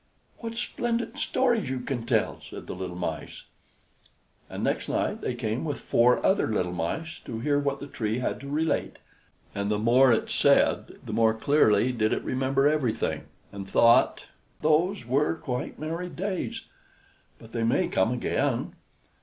"What splendid stories you can tell!" said the little Mice. And next night they came with four other little Mice, to hear what the Tree had to relate; and the more it said, the more clearly did it remember everything, and thought, "Those were quite merry days! But they may come again.